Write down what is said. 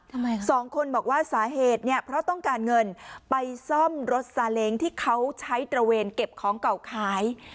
ทำไมคะสองคนบอกว่าสาเหตุเนี่ยเพราะต้องการเงินไปซ่อมรถซาเล้งที่เขาใช้ตระเวนเก็บของเก่าขาย